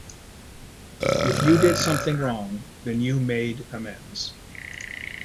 If you did something wrong then you made amends.